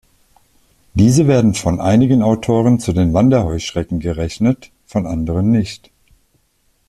Diese werden von einigen Autoren zu den Wanderheuschrecken gerechnet, von anderen nicht.